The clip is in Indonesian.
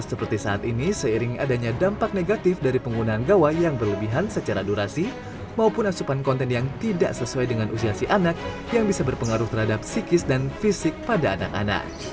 seperti saat ini seiring adanya dampak negatif dari penggunaan gawai yang berlebihan secara durasi maupun asupan konten yang tidak sesuai dengan usia si anak yang bisa berpengaruh terhadap psikis dan fisik pada anak anak